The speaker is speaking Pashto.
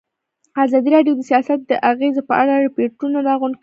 ازادي راډیو د سیاست د اغېزو په اړه ریپوټونه راغونډ کړي.